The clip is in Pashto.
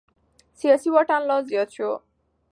سياسي واټن لا زيات شو.